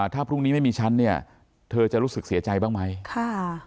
ถ้าพรุ่งนี้ไม่มีฉันเนี่ยเธอจะรู้สึกเสียใจบ้างไหมค่ะ